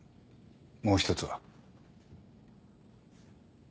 もう一つは？